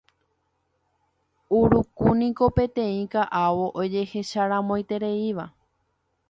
Urukúniko peteĩ ka'avo ojehecharamoitereíva